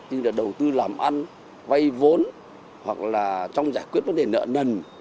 như là đầu tư làm ăn vay vốn hoặc là trong giải quyết vấn đề nợ nần